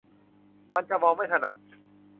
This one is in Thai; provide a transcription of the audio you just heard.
มันจะมองไม่ถนัด